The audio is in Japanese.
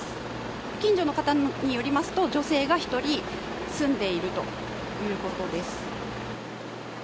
近所の方によりますと女性が１人住んでいるということです。